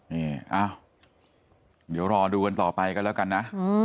นี่อ้าวเดี๋ยวรอดูกันต่อไปกันแล้วกันนะ